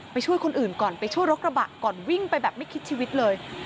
ช่วยคนอื่นก่อนไปช่วยรถกระบะก่อนวิ่งไปแบบไม่คิดชีวิตเลย